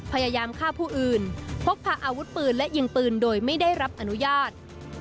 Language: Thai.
พยายามฆ่าผู้อื่นพกพาอาวุธปืนและยิงปืนโดยไม่ได้รับอนุญาต